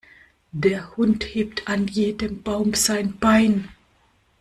Der Hund hebt an jedem Baum sein Bein.